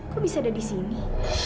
kok bisa ada di sini